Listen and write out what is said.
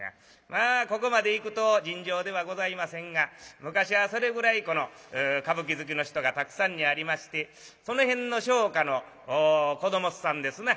まあここまでいくと尋常ではございませんが昔はそれぐらい歌舞伎好きの人がたくさんにありましてその辺の商家の子どもさんですな